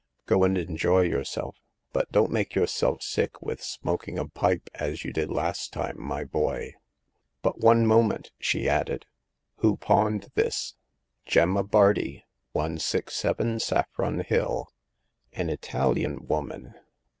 Go and en joy yourself, but don't make yourself sick with smoking a pipe as . you did last time, my boy. But one moment," she added ;who pawned this ?"" Gemma Bardi, 167, Saffron Hill." " An Italian woman.